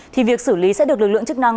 thì việc xử lý sẽ được lực lượng chức năng